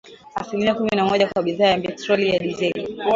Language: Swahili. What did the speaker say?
asilimia kumi na moja kwa bidhaa ya petroli na dizeli